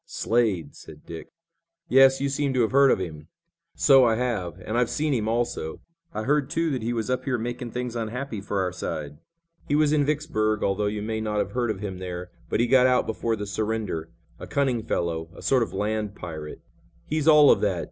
"Slade!" said Dick. "Yes, you seem to have heard of him?" "So I have, and I've seen him, also. I heard, too, that he was up here making things unhappy for our side. He was in Vicksburg, although you may not have heard of him there, but he got out before the surrender. A cunning fellow. A sort of land pirate." "He's all of that.